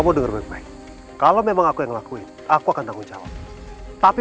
kamu denger baik baik kalau memang aku yang lakuin aku akan tanggung jawab tapi